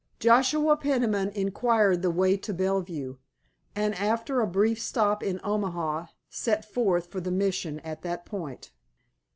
Joshua Peniman inquired the way to Bellevue, and after a brief stop in Omaha set forth for the Mission at that point.